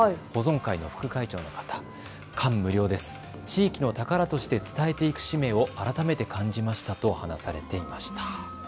保存会の副会長の方は感無量です、地域の宝として伝えていく使命を改めて感じましたと話されていました。